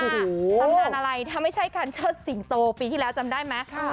ทำงานอะไรถ้าไม่ใช่การเชิดสิงโตปีที่แล้วจำได้ไหม